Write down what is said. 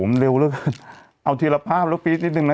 มันเร็วแล้วกันเอาทีละภาพลูกปีนิดหนึ่งน่ะ